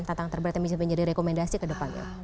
tantangan terberat yang bisa menjadi rekomendasi ke depannya